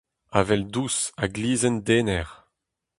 Avel dous ha glizhenn dener,